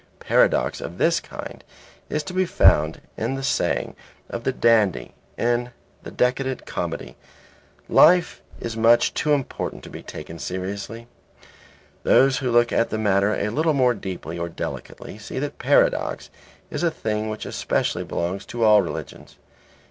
Paradox of this kind is to be found in the saying of the dandy, in the decadent comedy, "Life is much too important to be taken seriously." Those who look at the matter a little more deeply or delicately see that paradox is a thing which especially belongs to all religions.